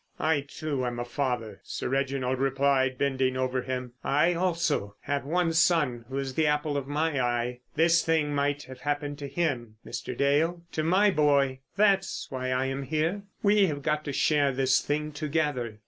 "I, too, am a father," Sir Reginald replied, bending over him. "I also have one son who is the apple of my eye. This thing might have happened to him, Mr. Dale—to my boy. That's why I am here. We have got to share this thing together."